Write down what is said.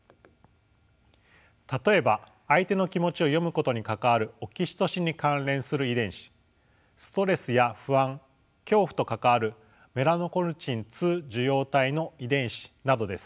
例えば相手の気持ちを読むことに関わるオキシトシンに関連する遺伝子ストレスや不安恐怖と関わるメラノコルチン２受容体の遺伝子などです。